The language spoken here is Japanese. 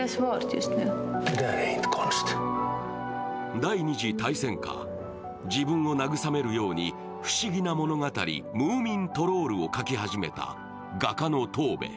第二次大戦下、自分を慰めるように不思議な物語、「ムーミントロール」を描き始めた画家のトーベ。